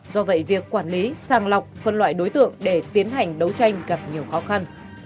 do vậy việc quản lý sàng lọc phân loại đối tượng để tiến hành đấu tranh gặp nhiều khó khăn